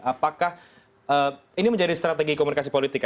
apakah ini menjadi strategi komunikasi politik